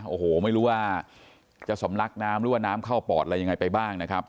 โอ้โหไม่รู้ว่าจะสำลักน้ำหรือว่าน้ำเข้าปอดอะไรยังไงไปบ้างนะครับ